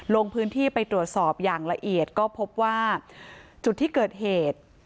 ลงพื้นที่ไปตรวจสอบอย่างละเอียดก็พบว่าจุดที่เกิดเหตุ